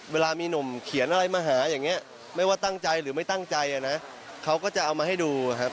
เวลามีหนุ่มเขียนอะไรมาหาอย่างนี้ไม่ว่าตั้งใจหรือไม่ตั้งใจนะเขาก็จะเอามาให้ดูครับ